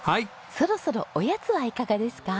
そろそろおやつはいかがですか？